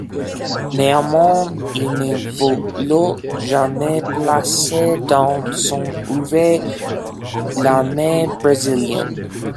Néanmoins il ne voulut jamais placer dans son œuvre l'armée brésilienne.